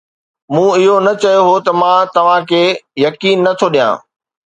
مون اهو نه چيو هو ته مان توهان کي يقين نه ٿو ڏيان